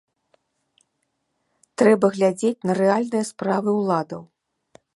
Трэба глядзець на рэальныя справы ўладаў.